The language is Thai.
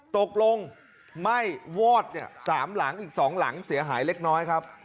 ตกลงไหม้วอด๓หลังอีก๒หลังเสียหายเล็กน้อยครับ